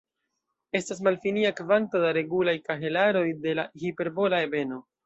Estas malfinia kvanto da regulaj kahelaroj de la hiperbola ebeno.